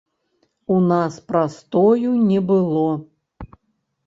У нас прастою не было.